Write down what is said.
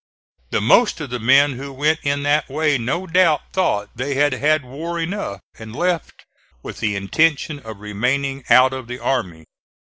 The most of the men who went in that way no doubt thought they had had war enough, and left with the intention of remaining out of the army.